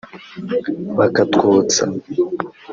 bakatwonsa